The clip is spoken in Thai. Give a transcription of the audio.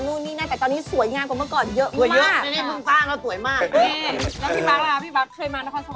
แล้วพี่บั๊คละพี่บั๊คเคยมานาคอนสวันไหมครับพี่